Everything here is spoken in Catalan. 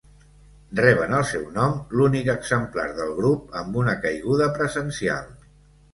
Reben el seu nom l'únic exemplar del grup amb una caiguda presencial.